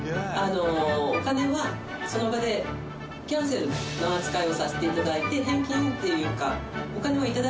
お金はその場でキャンセルの扱いをさせて頂いて返金っていうか。